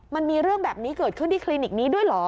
มันมีเรื่องแบบนี้เกิดขึ้นที่คลินิกนี้ด้วยเหรอ